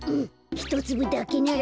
ひとつぶだけなら。